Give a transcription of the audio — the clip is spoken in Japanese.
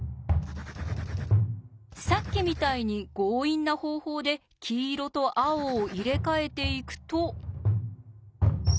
さっきみたいに強引な方法で黄色と青を入れ替えていくと。